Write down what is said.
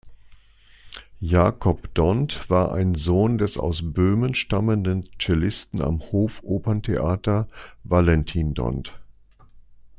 Jakob Dont war ein Sohn des aus Böhmen stammenden Cellisten am Hofoperntheater, Valentin Dont.